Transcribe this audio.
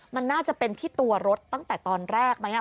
มันน่าจะเป็นที่ตัวรถตั้งแต่ตอนแรกไหม